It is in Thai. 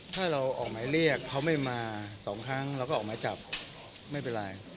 ถ้าเราออกหมายเรียกเขาไม่มา๒ครั้งเราก็ออกหมายจับไม่เป็นไร